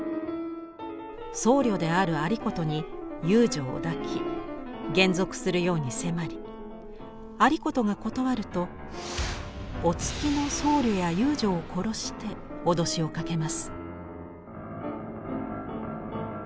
僧侶である有功に遊女を抱き還俗するように迫り有功が断るとお付きの僧侶や遊女を殺して脅しをかけます。